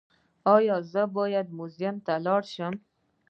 ایا زه باید موزیم ته لاړ شم؟